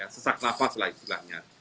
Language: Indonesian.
sesak nafas lah istilahnya